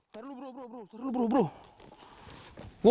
tunggu bro tunggu bro